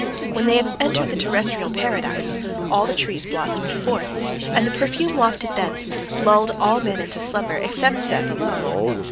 When they entered the terrestrial Paradise, all the trees blossomed forth, and the perfume wafted thence lulled all men into slumber except Seth alone.